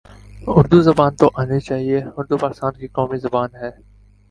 اردو زبان تو آنی چاہیے اردو پاکستان کی قومی زبان ہے